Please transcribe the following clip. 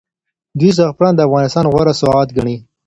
دوی زعفران د افغانستان غوره سوغات ګڼي.